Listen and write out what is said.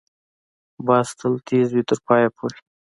باز تل تېز وي، تر پایه پورې